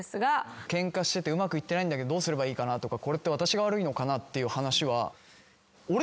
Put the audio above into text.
ケンカしててうまくいってないんだけどどうすればいいかなとかこれって私が悪いのかなっていう話は。